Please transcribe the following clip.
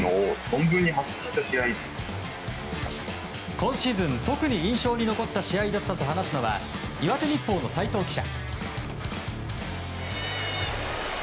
今シーズン特に印象に残った試合だったと話すのは岩手日報の斎藤記者。